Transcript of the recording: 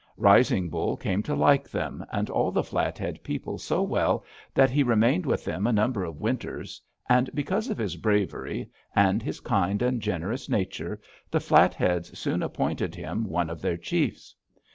Rising Bull came to like them and all the Flathead people so well that he remained with them a number of winters, and because of his bravery, and his kind and generous nature, the Flatheads soon appointed him one of their chiefs.